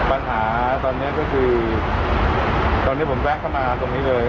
อะไรแบบนี้ก็ที่ตอนนี้ผมแจ้งขนาดตรงนี้เลย